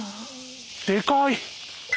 でかい！